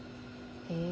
へえ。